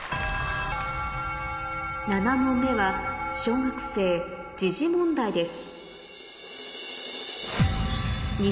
７問目は小学生問題です